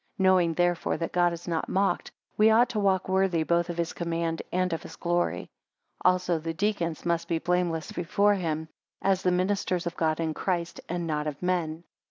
9 Knowing therefore that God is not mocked, we ought to walk worthy both of his command and of his glory. 10 Also the deacons must be blameless before him, as the ministers of God in Christ, and not of men.